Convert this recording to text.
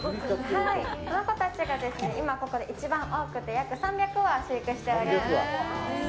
この子たちが今ここで一番多くて約３００羽、飼育しております。